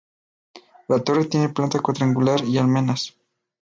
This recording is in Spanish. La Torre tiene planta cuadrangular y almenas.